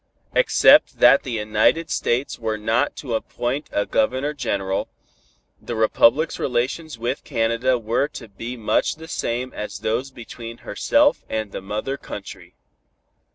Except that the United States were not to appoint a Governor General, the republic's relations with Canada were to be much the same as those between herself and the Mother Country.